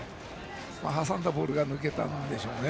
挟んだボールが抜けたんでしょうね。